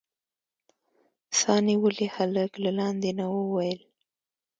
سا نيولي هلک له لاندې نه وويل.